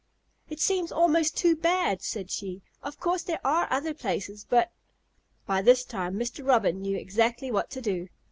"It seems almost too bad," said she. "Of course there are other places, but " By this time Mr. Robin knew exactly what to do.